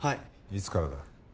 いつからだ？